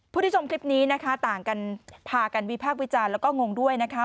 ผู้ที่ชมคลิปนี้นะคะต่างกันพากันวิพากษ์วิจารณ์แล้วก็งงด้วยนะคะ